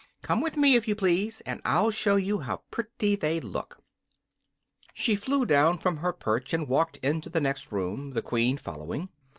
Come with me, if you please, and I'll show you how pretty they look." She flew down from her perch and walked into the next room, the Queen following.